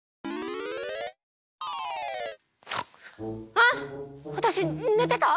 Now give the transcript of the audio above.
あっわたしねてた？